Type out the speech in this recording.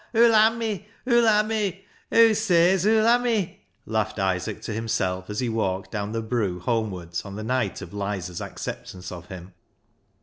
hoo'll ha' me! Hoo'U ha' me! Hoo says hoo'll ha' me !" laughed Isaac to himself, as he walked down the " broo " home wards, on the night of Lizer's acceptance of him.